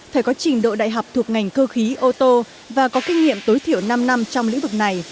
phải có trình độ đại học thuộc ngành cơ khí ô tô và có kinh nghiệm tối thiểu năm năm trong lĩnh vực này